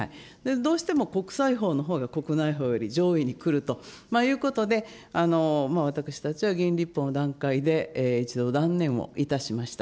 どうしても国際法のほうが国内法より上位に来るということで、私たちはぎいん立法の段階で、一度断念をいたしました。